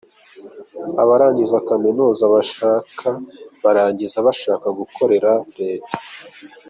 Abarangije Kaminuza bashaka barangiza bashaka gukorera Leta.